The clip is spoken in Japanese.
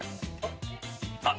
あっ！